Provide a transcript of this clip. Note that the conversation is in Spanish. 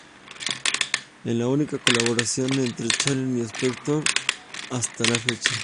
Es la única colaboración entre Cohen y Spector hasta la fecha.